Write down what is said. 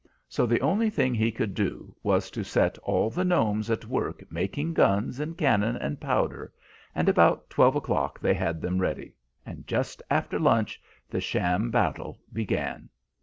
So the only thing he could do was to set all the gnomes at work making guns and cannon and powder, and about twelve o'clock they had them ready, and just after lunch the sham battle began.